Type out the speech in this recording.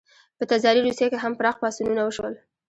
په تزاري روسیه کې هم پراخ پاڅونونه وشول.